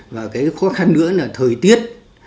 và cái khó khăn nữa là thời tiết